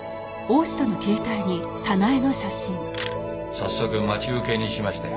早速待ち受けにしましたよ。